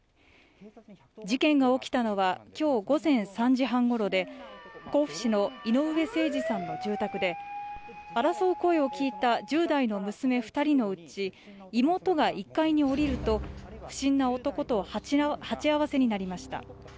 事件が起きたのは今日午前３時半ごろで甲府市の井上盛司さんの住宅で争う声を聞いた１０代の娘２人のうち妹が１階に下りると不審な男と鉢合わせになりました。